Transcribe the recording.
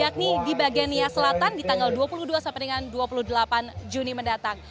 yakni di bagian nia selatan di tanggal dua puluh dua sampai dengan dua puluh delapan juni mendatang